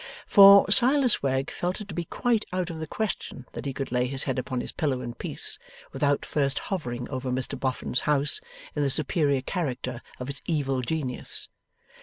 For, Silas Wegg felt it to be quite out of the question that he could lay his head upon his pillow in peace, without first hovering over Mr Boffin's house in the superior character of its Evil Genius.